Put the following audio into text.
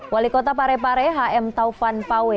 wali kota parepare hm taufan pawe